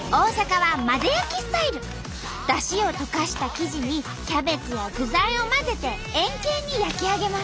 だしを溶かした生地にキャベツや具材を混ぜて円形に焼き上げます！